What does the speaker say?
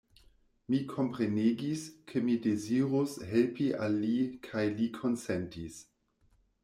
Mi komprenigis, ke mi dezirus helpi al li kaj li konsentis.